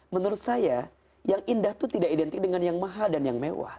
menurut saya yang indah itu tidak identik dengan yang mahal dan yang mewah